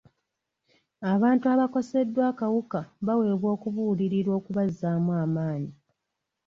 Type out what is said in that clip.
Abantu abakoseddwa akawuka baweebwa okubuulirirwa okubazzamu amaanyi.